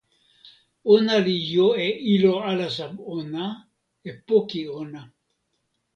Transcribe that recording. ona li jo e ilo alasa ona, e poki ona.